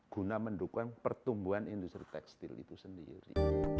guna mendukung pertumbuhan industri tekstil itu sendiri